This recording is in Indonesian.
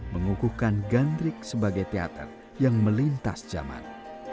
mengukuhkan gandrik sebagai teater yang melintas zaman